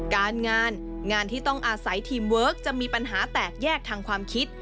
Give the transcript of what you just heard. การงานงานที่ต้องอาศัยทีมเวิร์คจะมีปัญหาแตกแยกทางความคิด